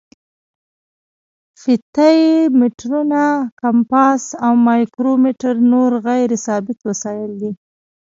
فیته یي مترونه، کمپاس او مایکرو میټر نور غیر ثابت وسایل دي.